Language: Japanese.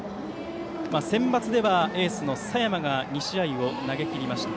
センバツではエースの佐山が２試合を投げきりました。